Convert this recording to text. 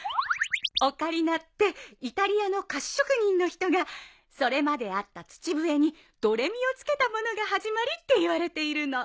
オカリナってイタリアの菓子職人の人がそれまであった土笛にドレミを付けたものが始まりっていわれているの。